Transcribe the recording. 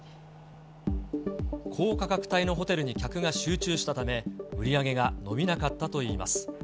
高価格帯のホテルに客が集中したため、売り上げが伸びなかったといいます。